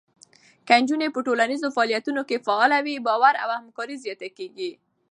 که نجونې په ټولنیزو فعالیتونو کې فعاله وي، باور او همکاري زیاته کېږي.